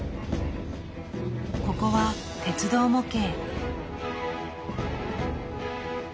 ここは鉄道模型。